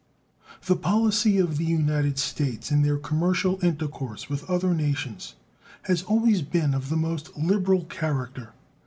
The policy of the United States in their commercial intercourse with other nations has always been of the most liberal character.